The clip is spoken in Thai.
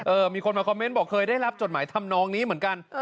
มีคนมาคอมเมนต์บอกเคยได้รับจดหมายทำนองนี้เหมือนกัน